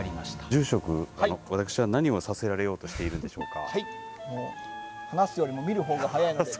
住職、私は何をさせられようとしているんでしょうか。